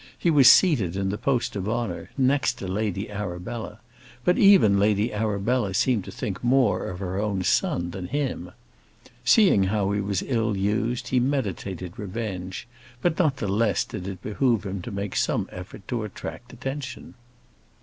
He was seated in the post of honour, next to Lady Arabella; but even Lady Arabella seemed to think more of her own son than of him. Seeing how he was ill used, he meditated revenge; but not the less did it behove him to make some effort to attract attention.